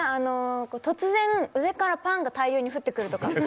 トツゼン、上からパンが大量に降ってくるとか。